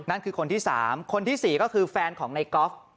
นั่นคือคนที่๓คนที่๔ก็คือแฟนของในกอล์ฟ